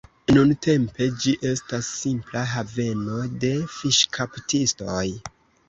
Nuntempe ĝi estas simpla haveno de fiŝkaptistoj.